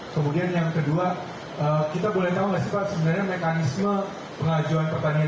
kemudian yang kedua kita boleh tahu nggak sih pak sebenarnya mekanisme pengajuan pertandingan